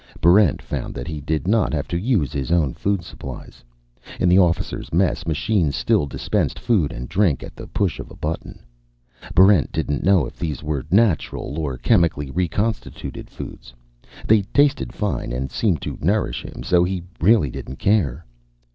Barrent found that he did not have to use his own food supplies. In the officers' mess, machines still dispensed food and drink at the push of a button. Barrent didn't know if these were natural or chemically reconstituted foods. They tasted fine and seemed to nourish him, so he really didn't care.